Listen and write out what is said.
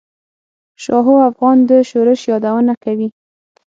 شاهو افغان د شورش یادونه کوي.